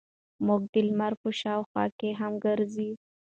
موږ د لمر په شاوخوا کې هم ګرځو.